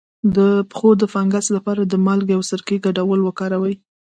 د پښو د فنګس لپاره د مالګې او سرکې ګډول وکاروئ